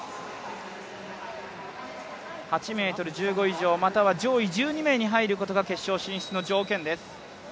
８ｍ１５以上、または上位１２名に入ることが決勝進出の条件です。